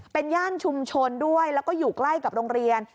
เป็นย่านชุมชนด้วยแล้วก็อยู่ใกล้กับโรงเรียน